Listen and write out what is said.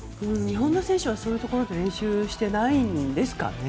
日本の選手はそういうところの練習していないんですかね？